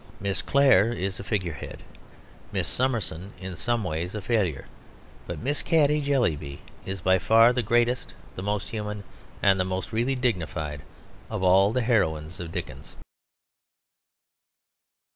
Miss Clare is a figure head, Miss Summerson in some ways a failure; but Miss Caddy Jellyby is by far the greatest, the most human, and the most really dignified of all the heroines of Dickens.